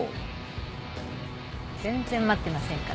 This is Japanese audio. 全然待ってませんから。